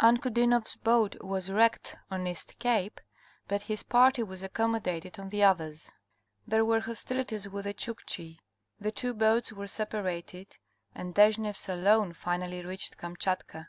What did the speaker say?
Ankudinoff's boat was wrecked on East Cape, but his party was accommodated on the others. There were hostilities with the Chukchi, the two boats were separated, and Deshneff's alone finally reached Kamchatka.